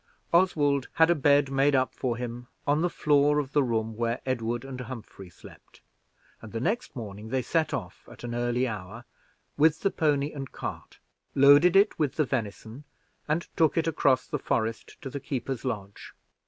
Oswald had a bed made up for him on the floor of the room where Edward and Humphrey slept; and the next morning they set off, at an early hour, with the pony and cart, loaded it with venison, and took it across the forest to the keeper's lodge.